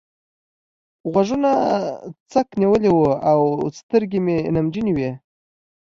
غوږونه څک نيولي وو او سترګې مې نمجنې وې.